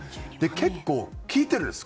結構、効いてるんです。